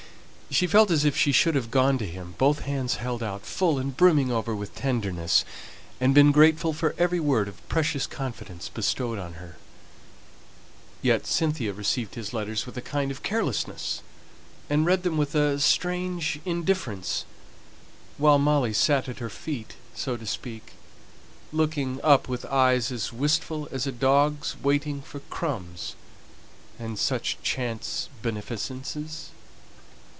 She felt as if she should have gone to him both hands held out, full and brimming over with tenderness, and been grateful for every word of precious confidence bestowed on her. Yet Cynthia received his letters with a kind of carelessness, and read them with a strange indifference, while Molly sat at her feet, so to speak, looking up with eyes as wistful as a dog's waiting for crumbs, and such chance beneficences.